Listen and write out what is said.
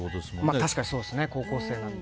確かにそうですね高校生なので。